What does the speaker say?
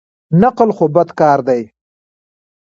نقل خو بد کار دئ.